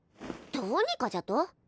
どうにかじゃと？